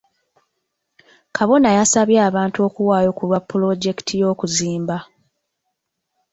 Kabona yasabye abantu okuwayo ku lwa pulojekiti y'okuzimba.